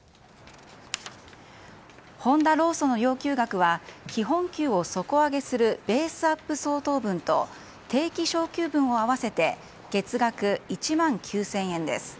ホンダ労組の要求額は基本給を底上げするベースアップ相当分と定期昇給分を合わせて月額１万９０００円です。